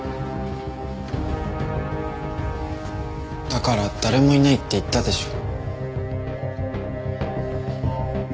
だから誰もいないって言ったでしょ。